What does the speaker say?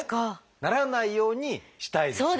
ならないようにしたいです。